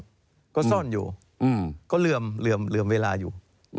มันก็ซ่อนอยู่ก็เรื่องเวลาอยู่